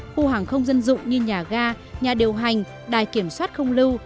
khu hàng không dân dụng như nhà ga nhà điều hành đài kiểm soát không lưu